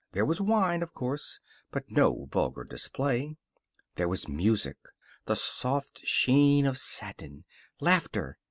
There was wine, of course; but no vulgar display. There was music; the soft sheen of satin; laughter.